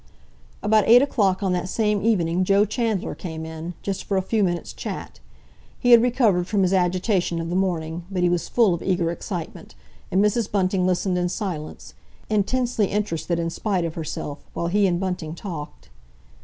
About eight o'clock on that same evening Joe Chandler came in, just for a few minutes' chat. He had recovered from his agitation of the morning, but he was full of eager excitement, and Mrs. Bunting listened in silence, intensely interested in spite of herself, while he and Bunting talked.